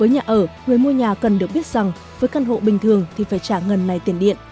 người mua nhà cần được biết rằng với căn hộ bình thường thì phải trả ngần này tiền điện